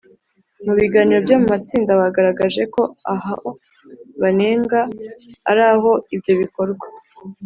Mu biganiro byo mu matsinda bagaragaje ko aho banenga ari aho ibyo bikorwa